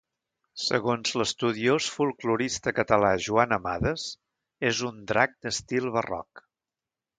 Segons l'estudiós folklorista català Joan Amades, és un drac d'estil barroc.